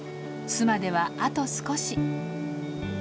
巣まではあと少し。